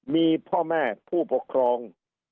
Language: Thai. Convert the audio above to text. มีพ่อแม่ผู้ปกครอง